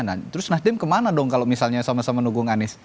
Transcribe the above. nah terus nah dem kemana dong kalau misalnya sama sama nunggu bung anies